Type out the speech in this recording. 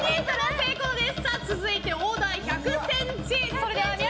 成功です！